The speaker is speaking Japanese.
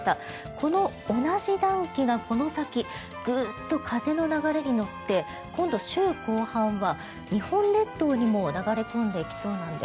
この同じ暖気がこの先グッと風の流れに乗って今度、週後半は日本列島にも流れ込んできそうなんです。